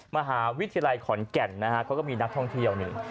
มหาวิทยาลัยขอนแก่นนะฮะเขาก็มีนักท่องเที่ยวนี่